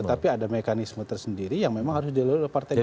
tetapi ada mekanisme tersendiri yang memang harus dilalui partai golkar